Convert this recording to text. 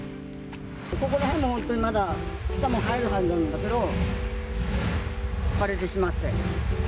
ここら辺もまだ本当に草も生えるはずなんだけど枯れてしまって。